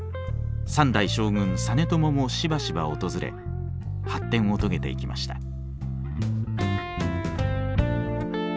三代将軍実朝もしばしば訪れ発展を遂げていきました。